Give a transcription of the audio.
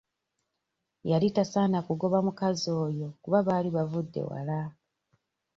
Yali tasaana kugoba mukazi oyo kuba baali bavudde wala.